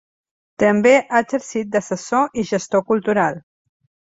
També ha exercit d'assessor i gestor cultural.